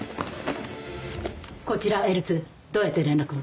こちらＬ２どうやって連絡を？